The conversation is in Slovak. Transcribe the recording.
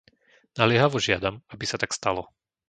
Naliehavo žiadam, aby sa tak stalo.